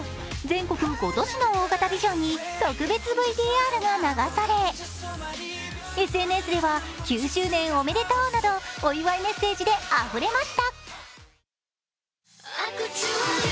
全国５都市の大型ビジョンに特別ＶＴＲが流されＳＮＳでは、９周年おめでとうなどお祝いメッセージであふれました。